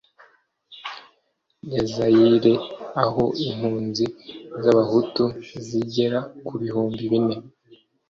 ya Zayire aho impunzi z'Abahutu zigera ku bihumbi bine